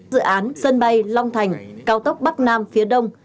dự án sân bay long thành cao tốc bắc nam phía đông